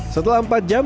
setelah empat jam